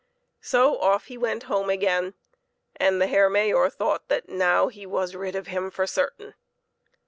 So off he went home again, and the Herr Mayor thought that now he was rid of him for certain.